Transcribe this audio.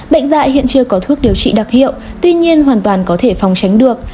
bệnh dạy hiện chưa có thuốc điều trị đặc hiệu tuy nhiên hoàn toàn có thể phòng tránh được